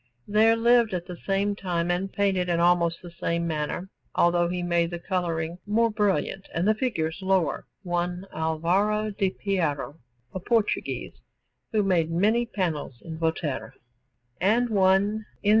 There lived at the same time and painted in almost the same manner, although he made the colouring more brilliant and the figures lower, one Alvaro di Piero, a Portuguese, who made many panels in Volterra, and one in S.